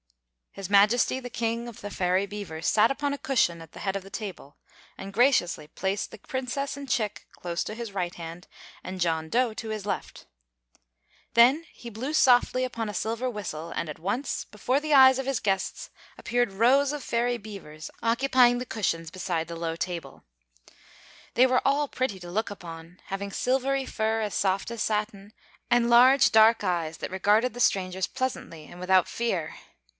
His Majesty the King of the Fairy Beavers sat upon a cushion at the head of the table and graciously placed the Princess and Chick close to his right hand and John Dough at his left. Then he blew softly upon a silver whistle, and at once before the eyes of his guests appeared rows of Fairy Beavers, occupying the cushions beside the low table. They were all pretty to look upon, having silvery fur as soft as satin, and large dark eyes that regarded the strangers pleasantly and without fear.